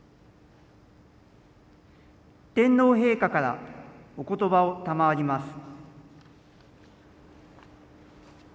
天皇陛下からおことばを賜ります。